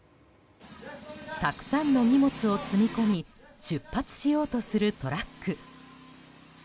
たくさんの荷物を積み込み出発しようとするトラック。